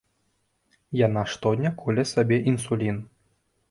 Яна штодня коле сабе інсулін.